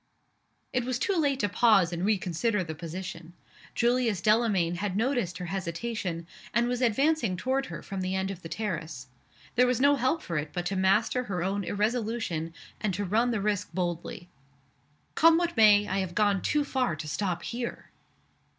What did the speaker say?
It was too late to pause and reconsider the position. Julius Delamayn had noticed her hesitation, and was advancing toward her from the end of the terrace. There was no help for it but to master her own irresolution, and to run the risk boldly. "Come what may, I have gone too far to stop _here.